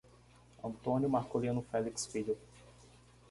Antônio Marculino Felix Filho